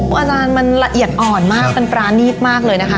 อาจารย์มันละเอียดอ่อนมากเป็นปรานีบมากเลยนะคะ